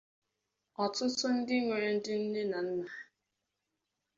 ọtụtụ ndị nwere ndị nne na nna